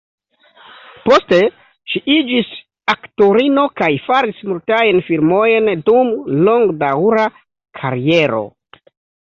Poste ŝi iĝis aktorino kaj faris multajn filmojn dum longdaŭra kariero.